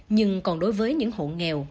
nhưng còn đối với những hộ nghèo